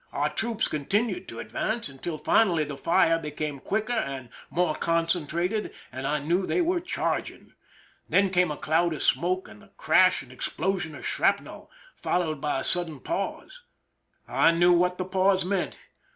Our troops continued to advance until finally the fire became quicker and more concen trated, and I knew they were charging. Then came a cloud of smoke and the crash and explosion of shrapnel, followed by a sudden pause. I knew what the pause meant.